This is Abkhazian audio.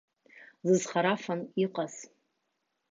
Зызхарафан иҟаз.